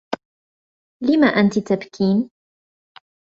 لم أنتِ تبكين؟